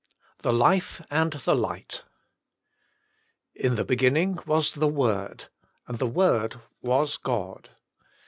XIX THE LIFE AND THE LIGHT "In the beginning was the Word. And the Word was God.